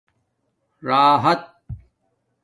راحت